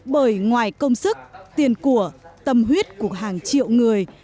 bởi ngoài công sức tiền của tâm huyết của hàng triệu người